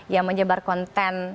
yang menyebar konten